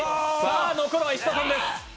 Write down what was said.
残るは石田さんです。